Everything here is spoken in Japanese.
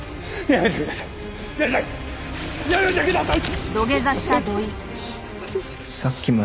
やめてください。